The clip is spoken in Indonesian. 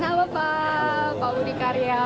halo pak budi karya